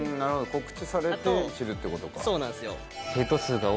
告知されて知るって事か。